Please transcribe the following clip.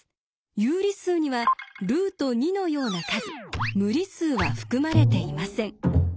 有理数にはルート２のような数無理数は含まれていません。